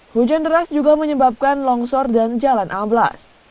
hujan deras juga menyebabkan longsor dan jalan ablas